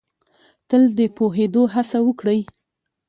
تل د پوهېدو هڅه وکړ ئ